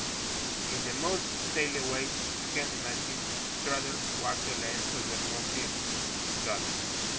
In the most stately way you can imagine Strutter walked the length of that mossy log.